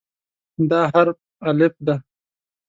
دا حرف "الف" دی.